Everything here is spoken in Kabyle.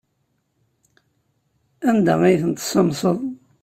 Anda ay tent-tessamseḍ?